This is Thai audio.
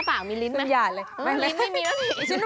เปล่ามีลิ้นไหมระเกียจเลยมันเหมือนไม่มีหมดเลย